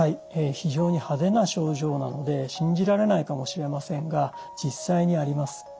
非常に派手な症状なので信じられないかもしれませんが実際にあります。